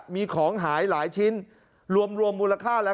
มีของหายหลายชิ้นรวมมูลค่าแล้ว